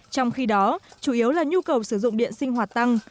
trong khi đó chủ yếu là nhu cầu sử dụng điện sinh hoạt tăng